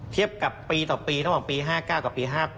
ปี๕๙กับปี๕๘นะครับ